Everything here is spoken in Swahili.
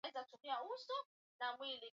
mauaji ya kimbari yalijulikana duniani kote